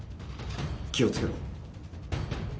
気を付けろ。